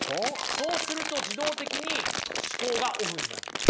そうすると自動的に思考がオフになるんです。